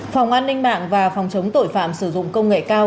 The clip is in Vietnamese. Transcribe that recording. phòng an ninh mạng và phòng chống tội phạm sử dụng công nghệ cao